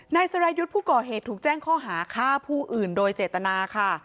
นายสรายุทธ์ผู้ก่อเหตุถูกแจ้งข้อหาฆ่าผู้อื่นโดยเจตนาค่ะ